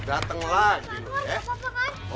dateng lagi loh ya